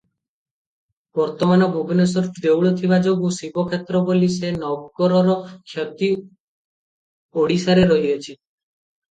ବର୍ତ୍ତମାନ ଭୁବନେଶ୍ୱର ଦେଉଳ ଥିବାଯୋଗୁଁ ଶିବକ୍ଷେତ୍ର ବୋଲି ସେ ନଗରର ଖ୍ୟାତି ଓଡ଼ିଶାରେ ରହିଅଛି ।